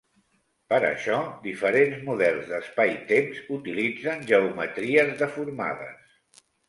Per això, diferents models d'espai-temps utilitzen geometries deformades.